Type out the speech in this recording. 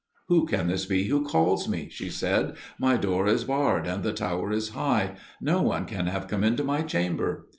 "Who can this be who calls me?" she said; "my door is barred and the tower is high. No one can have come into my chamber."